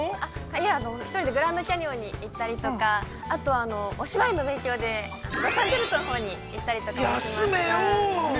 いえ、◆１人でグランド・キャニオンに行ったりとかあとお芝居の勉強でロサンゼルスのほうに行ってきました。